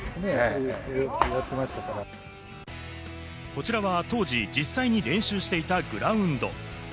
こちらは当時、実際に練習していたグラウンド。